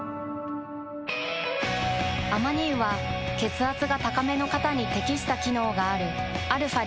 アマニ油は血圧が高めの方に適した機能があるαー